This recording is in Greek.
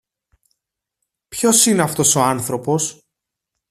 Ποιος είναι αυτός ο άνθρωπος;